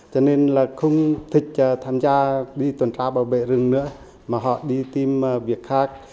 cho nên là không thích tham gia đi tuần tra bảo vệ rừng nữa mà họ đi tìm việc khác